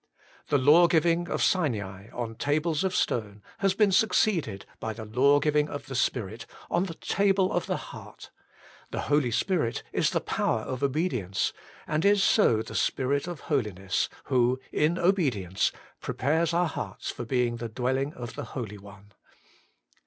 The law giving of Sinai on tables of stone has been succeeded by the law giving of the Spirit on the table of the heart : the Holy Spirit is the power of obedience, and is so the Spirit of Holiness, who, in obedience, prepares our hearts for being the dwelling of the Holy One.